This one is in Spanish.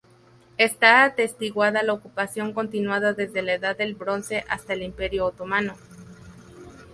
Está atestiguada la ocupación continuada desde la Edad del Bronce hasta el imperio otomano.